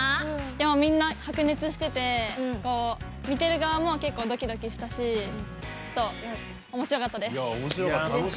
みんな白熱してて見てる側も結構、ドキドキしたしおもしろかったです。